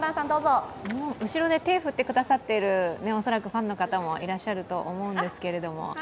後ろで手を振ってくださっている、恐らくファンの方もいらっしゃると思うんですけど。